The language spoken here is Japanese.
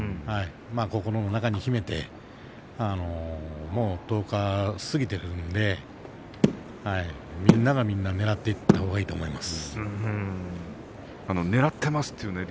心の中に秘めて１０日を過ぎているのでみんながみんな、ねらっていったほうがいいと思います。